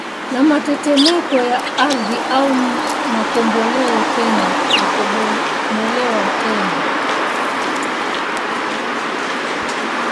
na matetemeko ya ardhi au kubomolewa tena